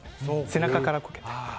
背中からコケて。